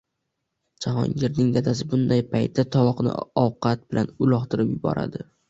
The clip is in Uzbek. Jahongirning dadasi bunday paytda tovoqni ovqati bilan uloqtirib yuboradi